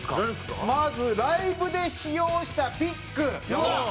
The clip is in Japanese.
まずライブで使用したピック。